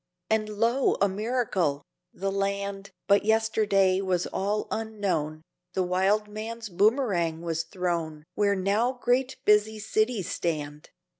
And lo a miracle! the land But yesterday was all unknown, The wild man's boomerang was thrown Where now great busy cities stand.